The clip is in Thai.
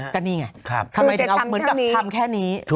กันนี้ไงทำแบบทำแค่นี้